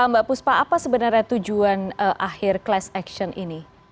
mbak puspa apa sebenarnya tujuan akhir class action ini